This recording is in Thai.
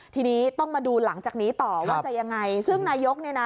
ทีนี้ต้องมาดูหลังจากนี้ต่อว่าจะยังไงซึ่งนายกเนี่ยนะ